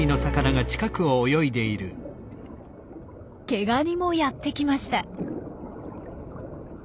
ケガニもやって来ました。